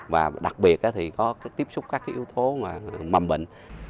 và đặc biệt thì có tiếp xúc các yếu tố mầm bệnh